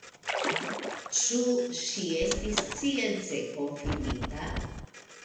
Ĉu ĝi estis science konfirmita?